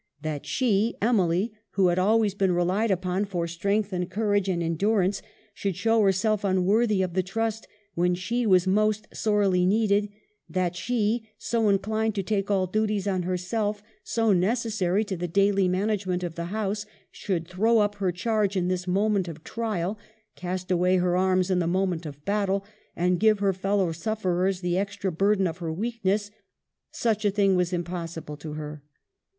That she, Emily, who had always been relied upon for strength and courage and endurance, should show herself unworthy of the trust when she was most sorely needed ; that she, so inclined to take all duties on herself, so necessary to the daily management of the house, should throw up her charge in this moment of trial, cast away her arms in the moment of battle, and give her fellow sufferers the extra burden of her weakness, — such a thing was impossible to her.